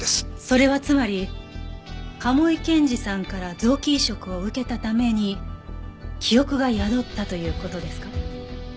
それはつまり賀茂井健治さんから臓器移植を受けたために記憶が宿ったという事ですか？